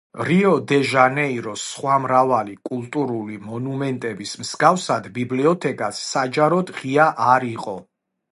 რიო-დე-ჟანეიროს სხვა მრავალი კულტურული მონუმენტის მსგავსად, ბიბლიოთეკაც საჯაროდ ღია არ იყო.